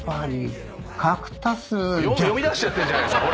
読みだしちゃってるじゃないですか。